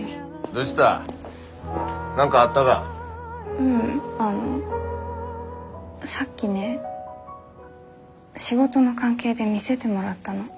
ううんあのさっきね仕事の関係で見せてもらったの。